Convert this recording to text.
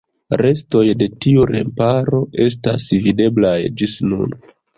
Restoj de tiu remparo estas videblaj ĝis nun.